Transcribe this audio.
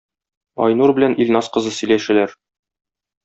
Айнур белән Илназ кызы сөйләшәләр.